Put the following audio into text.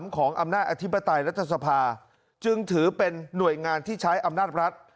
ของอำนาจอธิปไตยรัฐสภาจึงถือเป็นหน่วยงานที่ใช้อำนาจรัฐ